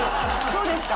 そうですか。